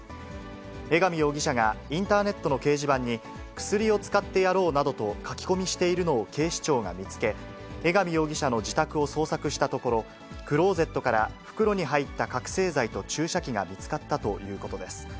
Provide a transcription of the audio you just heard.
江上容疑者がインターネットの掲示板に、薬を使ってやろうなどと書き込みしているのを警視庁が見つけ、江上容疑者の自宅を捜索したところ、クローゼットから袋に入った覚醒剤と注射器が見つかったということです。